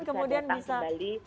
kemudian bisa datang ke bali